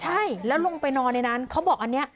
ใช่แล้วลงไปนอนในนั้นเขาบอกอันนี้